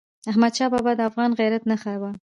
احمدشاه بابا د افغان غیرت نښه وه.